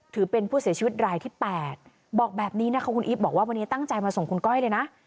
ถือเป็นผู้เสียชีวิตรายที่๘บอกแบบนี้นะคะคุณอีฟบอกว่าวันนี้ตั้งใจมาส่งคุณก้อยเลยนะ